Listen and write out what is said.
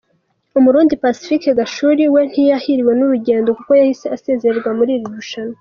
Umurundi Pacifique Gachuri we ntiyahiriwe n’urugendo kuko yahise asezererwa muri iri rushanwa.